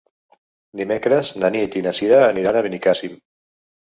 Dimecres na Nit i na Cira aniran a Benicàssim.